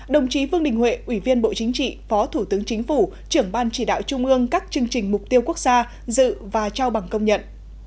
đồng chí vương đình huệ ủy viên bộ chính trị phó thủ tướng chính phủ trưởng ban chỉ đạo trung ương các chương trình mục tiêu quốc gia dự và trao bằng công nhận